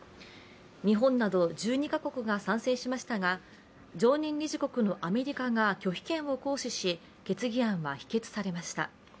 日本など１２か国が賛成しましたが、常任理事国のアメリカが拒否権を行使し決議案は否決されました。